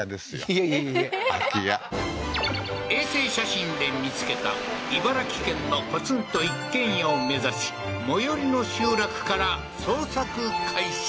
いやいやいやいや空き家衛星写真で見つけた茨城県のポツンと一軒家を目指し最寄りの集落から捜索開始